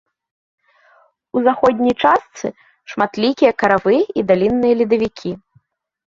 У заходняй частцы шматлікія каравыя і далінныя ледавікі.